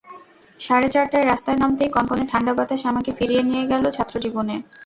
সাড়ে চারটায় রাস্তায় নামতেই কনকনে ঠান্ডা বাতাস আমাকে ফিরিয়ে নিয়ে গেল ছাত্রজীবনে।